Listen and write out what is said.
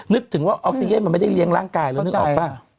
นึกถึงว่าออกซิเจนมันไม่ได้เลี้ยงร่างกายเรานึกออกป่ะ